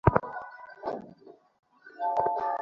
সেদিন তো সবার সামনে খুব লজ্জা পাচ্ছিলে।